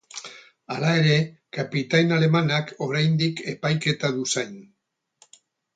Hala ere, kapitain alemanak oraindik epaiketa du zain.